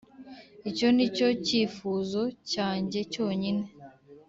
Icyo nicyo kifuzo cyange cyonyine